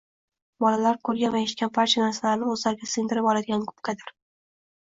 Bolalar – ko‘rgan va eshitgan barcha narsalarini o‘zlariga singdirib oladigan gubkadir.